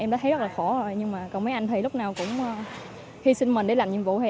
em đã thấy rất là khổ rồi nhưng mà còn mấy anh thì lúc nào cũng hy sinh mình để làm nhiệm vụ thì